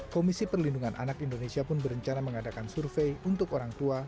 komisi perlindungan anak indonesia pun berencana mengadakan survei untuk orang tua